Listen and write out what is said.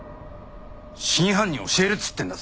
真犯人教えるっつってんだぞ？